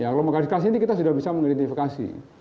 kelompok garis keras ini kita sudah bisa mengidentifikasi